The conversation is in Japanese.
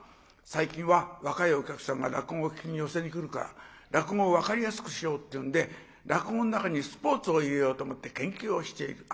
最近は若いお客さんが落語を聴きに寄席に来るから落語を分かりやすくしようっていうんで落語の中にスポーツを入れようと思って研究をしている。